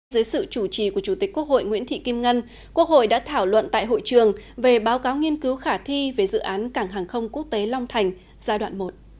dưới sự chủ trì của chủ tịch quốc hội nguyễn thị kim ngân quốc hội đã thảo luận tại hội trường về báo cáo nghiên cứu khả thi về dự án cảng hàng không quốc tế long thành giai đoạn một